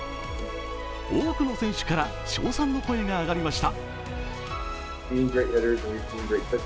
多くの選手から称賛の声が上がりました。